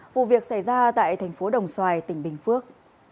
vụ việc xảy ra tại thành phố đồng xoài tỉnh bình phước